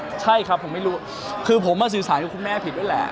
ใช่ครับผมไม่รู้คือผมสื่อสารกับคุณแม่ผิดด้วยแหละ